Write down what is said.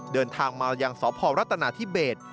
เดินทางมายังสอบพ่อรัตนาทิเบศ